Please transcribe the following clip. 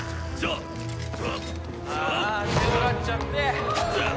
ああ強がっちゃって。